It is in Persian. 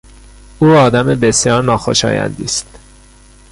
او آدم بسیار ناخوشایندی است.